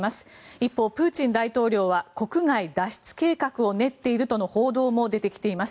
一方、プーチン大統領は国外脱出計画を練っているとの報道も出てきています。